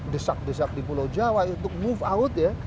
desak desak di pulau jawa untuk move out ya